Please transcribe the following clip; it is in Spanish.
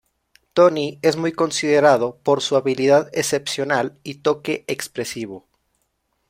Tony es muy considerado por su habilidad excepcional y toque expresivo.